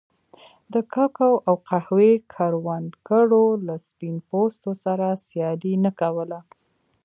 د کوکو او قهوې کروندګرو له سپین پوستو سره سیالي نه کوله.